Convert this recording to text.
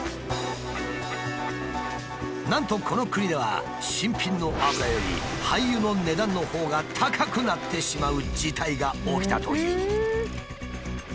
なんとこの国では新品の油より廃油の値段のほうが高くなってしまう事態が起きたという。